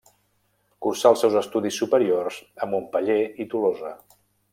Cursà els seus estudis superiors a Montpeller i Tolosa.